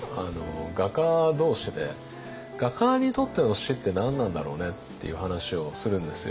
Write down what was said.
画家同士で画家にとっての死って何なんだろうねっていう話をするんですよ。